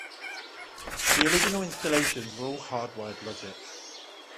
The original installations were all hard-wired logic.